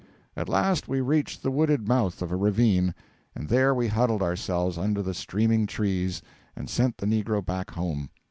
At last we reached the wooded mouth of a ravine, and there we huddled ourselves under the streaming trees, and sent the negro back home.